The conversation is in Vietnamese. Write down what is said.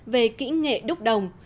về kỹ nghệ đúc đồng